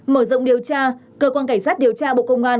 hai mở rộng điều tra cơ quan cảnh sát điều tra bộ công an còn xác định